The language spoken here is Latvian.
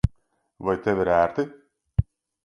Vai tev ir ērti?